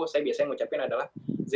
saya biasanya mengucapkan adalah